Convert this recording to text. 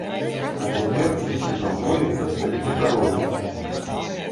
А цяпер ідзіце за мною і падсцяліце карове!